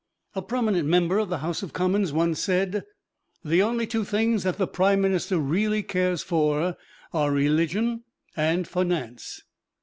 A prominent member of the House of Commons once said, "The only two things that the Prime Minister really cares for are religion and finance."